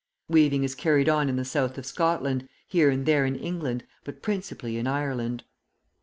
Weaving is carried on in the South of Scotland, here and there in England, but principally in Ireland.